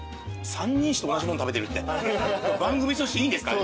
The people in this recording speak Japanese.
３人して同じもん食べてるって番組としていいんですかね？